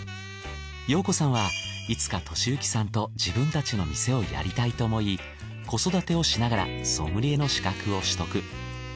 陽子さんはいつか俊之さんと自分たちの店をやりたいと思い子育てをしながらソムリエの資格を取得。